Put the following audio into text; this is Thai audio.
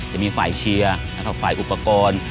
จะมีฝ่ายเชียร์ฝ่ายอุปกรณ์